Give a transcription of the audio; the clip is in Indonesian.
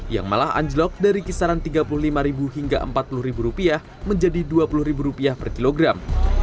yang malah anjlok dari kisaran rp tiga puluh lima hingga rp empat puluh menjadi rp dua puluh per kilogram